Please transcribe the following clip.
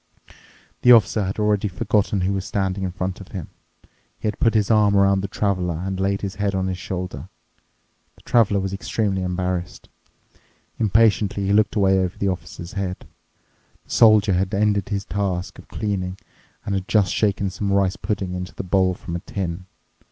The Officer had obviously forgotten who was standing in front of him. He had put his arm around the Traveler and laid his head on his shoulder. The Traveler was extremely embarrassed. Impatiently he looked away over the Officer's head. The Soldier had ended his task of cleaning and had just shaken some rice pudding into the bowl from a tin.